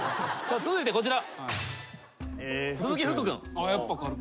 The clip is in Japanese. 続いてこちら。